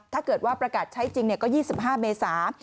ถ้าเกิดว่าประกาศใช้จริงก็๒๕เมษา